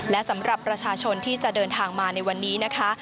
และสำหรับประชาชนที่จะเดินทางมาในวันนี้นะคะ